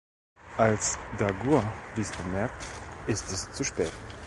Als Dagur dies bemerkt, ist es zu spät.